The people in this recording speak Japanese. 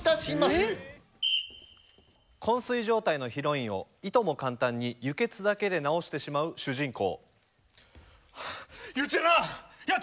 「こん睡状態のヒロインをいとも簡単に輸血だけで治してしまう主人公」。